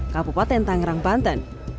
kabupaten tangerang banten